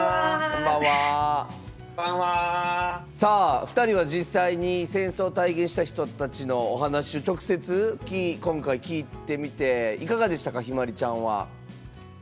さあ２人は実際に戦争を体験した人たちのお話を直接今回聞いてみていかがでしたかひまりちゃんは。